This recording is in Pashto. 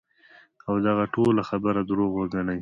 او دغه ټوله خبره دروغ وګڼی -